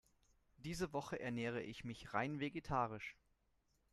Diese Woche ernähre ich mich rein vegetarisch.